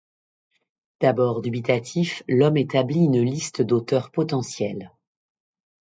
D'abord dubitatif, l'homme établit une liste d'auteurs potentiels.